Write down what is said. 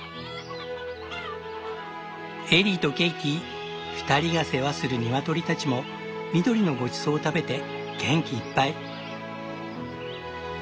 エリーとケイティ２人が世話する鶏たちも緑のごちそうを食べて元気いっぱい。